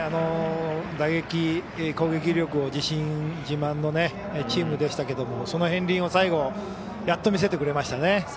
打撃、攻撃力を自身、自慢のチームでしたけれどもその片りんを最後やっと見せてくれましたね。